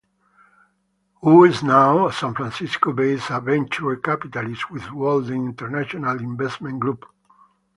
Hu is now a San Francisco-based venture capitalist with Walden International Investment Group.